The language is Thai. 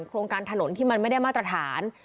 โครงการถนนที่มันไม่ได้มาตรฐาน